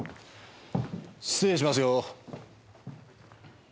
失礼しますよ。